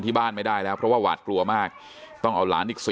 ที่บ้านไม่ได้แล้วเพราะว่าหวาดกลัวมากต้องเอาหลานอีก๔